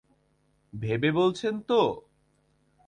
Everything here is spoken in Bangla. ভেবে বলছেন তো?